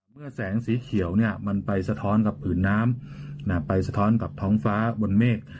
เมื่อแสงสีเขียวเนี่ยมันไปสะท้อนกับผืนน้ำไปสะท้อนกับท้องฟ้าบนเมฆ